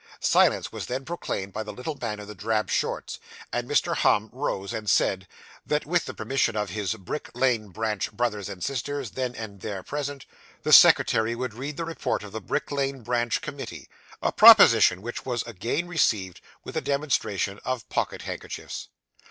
Silence was then proclaimed by the little man in the drab shorts, and Mr. Humm rose and said That, with the permission of his Brick Lane Branch brothers and sisters, then and there present, the secretary would read the report of the Brick Lane Branch committee; a proposition which was again received with a demonstration of pocket handkerchiefs.